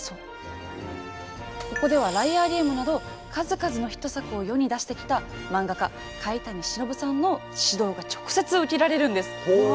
ここでは「ＬＩＡＲＧＡＭＥ」など数々のヒット作を世に出してきた漫画家甲斐谷忍さんの指導が直接受けられるんです。